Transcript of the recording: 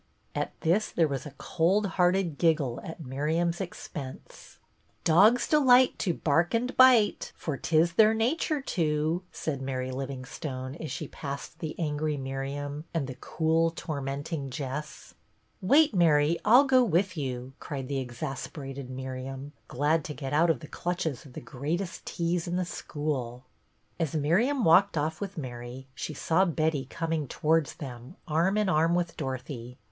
At this there was a cold hearted giggle at Miriam's expense. "' Dogs delight to bark and bite, For 't is their nature to,' " THE PLAY H5 said Mary Livingstone, as she passed the angry Miriam and the cool, tormenting Jess. " Wait, Mary, I 'll go with you," cried the exasperated Miriam, glad to get out of the clutches of the greatest tease in the school. As Miriam walked off with Mary she saw Betty coming towards them arm in arm with Dorothy.